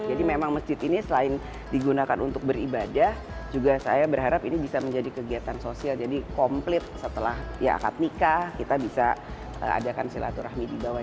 jadi memang masjid ini selain digunakan untuk beribadah juga saya berharap ini bisa menjadi kegiatan sosial jadi komplit setelah ya akad nikah kita bisa adakan silaturahmi di bawah